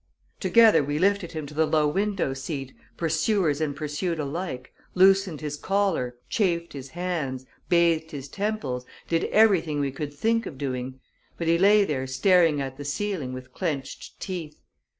Together we lifted him to the low window seat, pursuers and pursued alike, loosened his collar, chafed his hands, bathed his temples, did everything we could think of doing; but he lay there staring at the ceiling with clenched teeth.